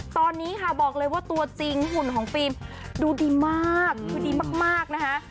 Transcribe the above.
ตอนนี้ค่ะบอกเลยว่าตัวจริงหุ่นของฟิล์มดูดีมากคือดีมากนะคะ